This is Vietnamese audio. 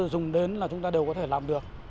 dùng đến là chúng ta đều có thể làm được